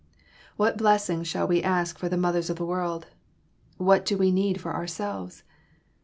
What blessings shall we ask for the mothers of the world? What do we need for ourselves?